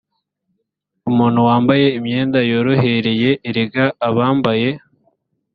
umuntu wambaye imyenda yorohereye erega abambaye